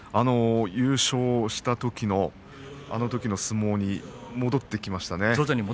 優勝したときのあのときの相撲に戻ってきましたね。